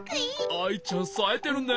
アイちゃんさえてるね。